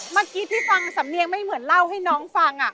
เมื่อกี้ที่ฟังสำเนียงไม่เหมือนเล่าให้น้องฟัง